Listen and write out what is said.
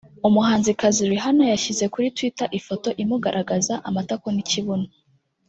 umuhanzikazi Rihanna yashyize kuri twitter ifoto imugaragaza amatako n'ikibuno